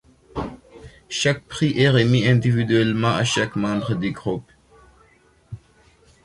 Chaque prix est remis individuellement à chaque membre du groupe.